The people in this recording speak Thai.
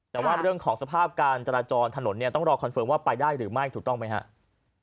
แต่ว่าเรื่องของสภาพการจราจรถนนเนี่ยต้องรอคอนเฟิร์มว่าไปได้หรือไม่ถูกต้องไหมครับ